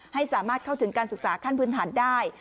ให้สามารถเข้าถึงการศึกษาขั้นพื้นฐานได้